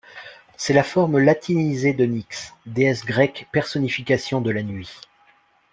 C'est la forme latinisée de Nyx, déesse grecque personnification de la Nuit.